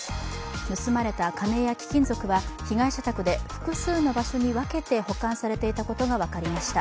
盗まれた金や貴金属は被害者宅で複数の場所に分けて保管されていたことが分かりました。